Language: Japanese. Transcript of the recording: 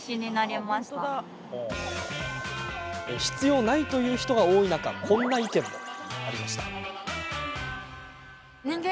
必要ないという人が多い中こんな意見も。